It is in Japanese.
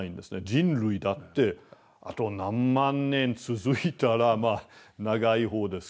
人類だってあと何万年続いたらまあ長いほうですけれども。